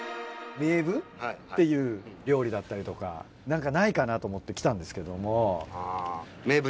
メーブっていう料理だったりとか何かないかなと思って来たんですけども。